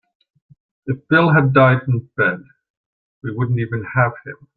If Bill had died in bed we wouldn't even have him.